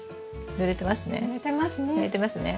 ぬれてますね。